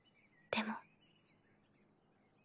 でも？